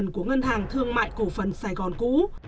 của ngân hàng thương mại cổ phần sài gòn cũ